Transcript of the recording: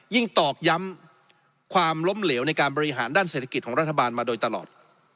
ตอกย้ำความล้มเหลวในการบริหารด้านเศรษฐกิจของรัฐบาลมาโดยตลอด